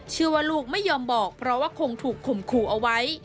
เชื่อว่าลูกไม่ยอมบอกเพราะว่าคงถูกข่มขู่เอาไว้